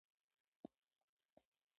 په همدې مینه سپی لوی شو.